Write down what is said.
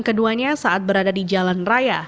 keduanya saat berada di jalan raya